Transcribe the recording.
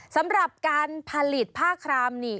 สำหรับการผลิตผ้าครามนี่